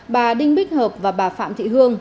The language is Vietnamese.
bà đinh bích hợp và bà phạm thị hương